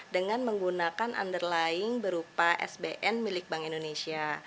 dengan menggunakan underlying berupa sbn milik bank indonesia